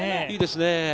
いいですね。